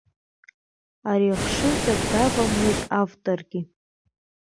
Ари ахшыҩҵак давамлеит авторгьы.